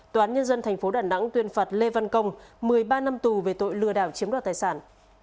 toán nhân dân thành phố đà nẵng tuyên phạt lê văn công một mươi ba năm tù về tội lừa đảo chiếm đốt tài sản